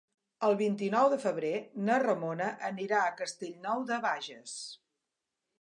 El vint-i-nou de febrer na Ramona anirà a Castellnou de Bages.